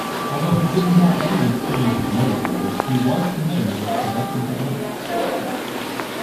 Although he didn't have any experience with motorcycles, he was familiar with production techniques.